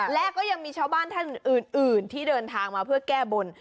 และก็ยังมีชาวบ้านท่านอื่นที่เดินทางมาเพื่อแก้บน